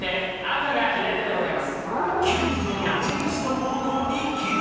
キューブの矢印の方向に切る！